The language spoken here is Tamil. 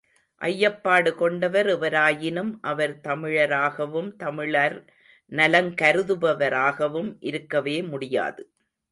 ஐயப்பாடு கொண்டவர் எவராயினும் அவர் தமிழராகவும் தமிழர்நலங் கருதுபவராகவும் இருக்கவே முடியாது.